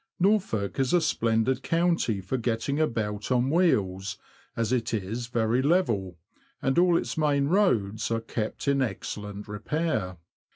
Norfolk is a splendid county for getting about on wheels, as it is very level, and all its main roads are kept in excellent repair.